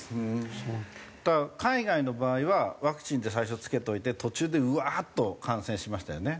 だから海外の場合はワクチンで最初つけといて途中でわーっと感染しましたよね。